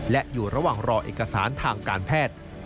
และอยู่ระหว่างรอเอกสารทางการแพทย์